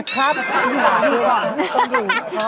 ครับอยู่ก่อน